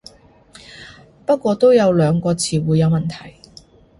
不過都有兩個詞彙有問題